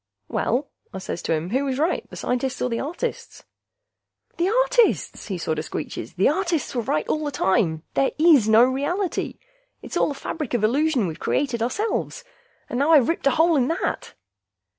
"Well," I says to him, "who was right, the scientists or the artists?" "The artists!" he sorta screeches. "The artists were right all the time ... there is no reality! It's all a fabric of illusion we've created ourselves! And now I've ripped a hole in that!"